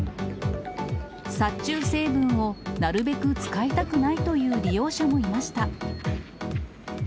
殺虫成分をなるべく使いたくないという利用者もいました。